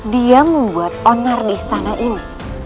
dia membuat onar di istana ini